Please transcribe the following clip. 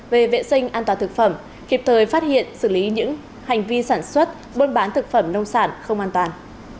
về vệ sinh an toàn thực phẩm kịp thời phát hiện xử lý những hành vi sản xuất buôn bán thực phẩm nông sản không an toàn